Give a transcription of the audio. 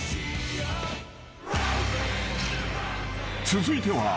［続いては］